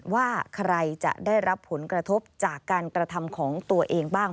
ว่าใครจะได้รับผลกระทบจากการกระทำของตัวเองบ้าง